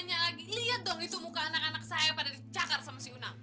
tanya lagi lihat dong itu muka anak anak saya pada dicakar sama si unang